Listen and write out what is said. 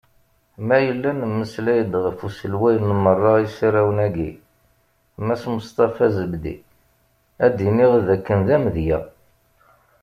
Ma yella nemmeslay-d ɣef uselway n merra isarrawen-agi, Mass Musṭafa Zebdi, ad d-iniɣ d akken d amedya.